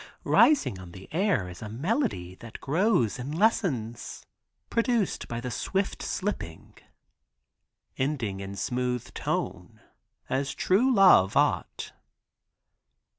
rising on the air is a melody, that grows and lessens, produced by the swift slipping. Ending in smooth tone as true love ought.